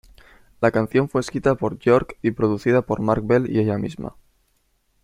La canción fue escrita por Björk y producida por Mark Bell y ella misma.